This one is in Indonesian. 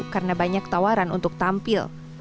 karena banyak tawaran untuk tampil